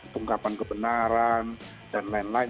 pengungkapan kebenaran dan lain lain